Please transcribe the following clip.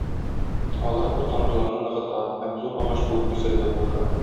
Алар бу тамырларны ныгыта һәм зур агач булып үсәргә булыша.